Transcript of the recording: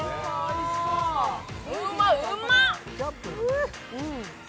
うま、うまっ！